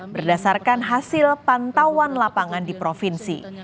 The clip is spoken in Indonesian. berdasarkan hasil pantauan lapangan di provinsi